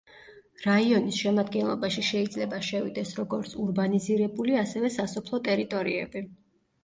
რაიონის შემადგენლობაში შეიძლება შევიდეს როგორც ურბანიზირებული, ასევე სასოფლო ტერიტორიები.